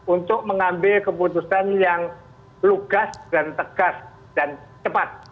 untuk mengambil keputusan yang lugas dan tegas dan cepat